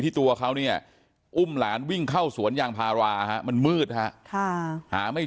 ตัวเขาเนี่ยอุ้มหลานวิ่งเข้าสวนยางพารามันมืดฮะหาไม่